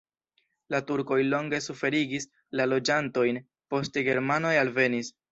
La turkoj longe suferigis la loĝantojn, poste germanoj alvenis.